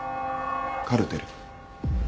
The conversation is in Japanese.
カルテル。